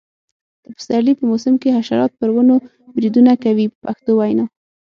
د پسرلي په موسم کې حشرات پر ونو بریدونه کوي په پښتو وینا.